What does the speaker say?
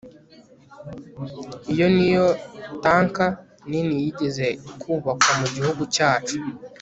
iyi niyo tanker nini yigeze kubakwa mugihugu cyacu